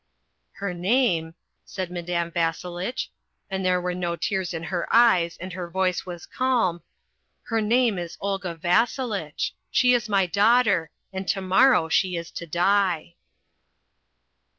"Her name," said Madame Vasselitch, and there were no tears in her eyes and her voice was calm, "her name is Olga Vasselitch. She is my daughter, and to morrow she is to die."